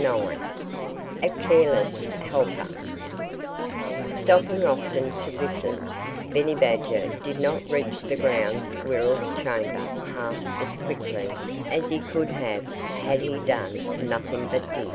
IX A CARELESS HELPER Stopping often to listen, Benny Badger did not reach the Ground Squirrel's chamber half as quickly as he could have had he done nothing but dig.